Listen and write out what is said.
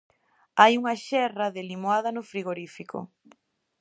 Hai unha xerra de limoada no frigorífico.